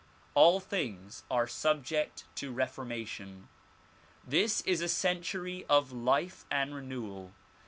All things are subject to re formation. This is a century of life and renewal.